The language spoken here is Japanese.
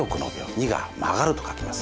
「ニが曲がる」と書きます。